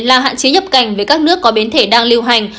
là hạn chế nhập cảnh với các nước có biến thể đang lưu hành